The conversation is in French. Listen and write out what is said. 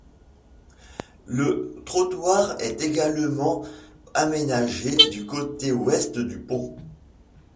Un trottoir est également aménagé du côté ouest du pont.